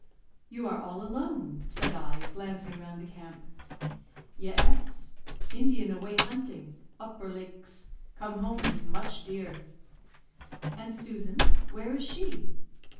"You are all alone," said I, glancing round the camp. "Ye'es; Indian away hunting Upper Lakes. Come home with much deer." "And Susan, where is she?"